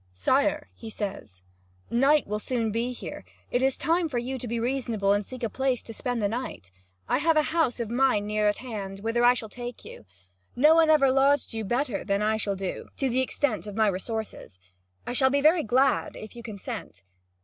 "Sire," he says, "night will soon be here. It is time for you to be reasonable and seek a place to spend the night. I have a house of mine near at hand, whither I shall take you. No one ever lodged you better than I shall do, to the extent of my resources: I shall be very glad, if you consent."